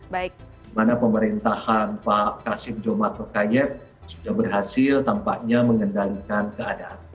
dimana pemerintahan pak kasim jomat rokyet sudah berhasil tampaknya mengendalikan keadaan